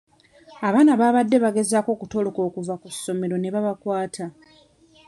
Abaana baabadde bagezaako okutoloka okuva ku ssomero ne babakwata.